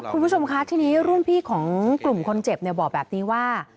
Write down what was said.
คุณผู้ชมคะทีนี้รุ่นพี่ของกลุ่มคนเจ็บเนี่ยบอกแบบนี้ว่า